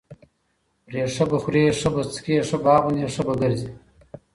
پرې ښه به خوري، ښه به څکي ښه به اغوندي، ښه به ګرځي،